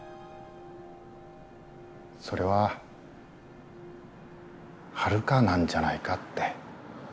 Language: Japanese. それはハルカなんじゃないかって。